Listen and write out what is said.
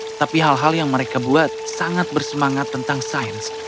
tetapi hal hal yang mereka buat sangat bersemangat tentang sains